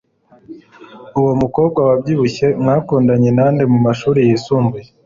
uwo mukobwa wabyibushye mwakundanye nande mumashuri yisumbuye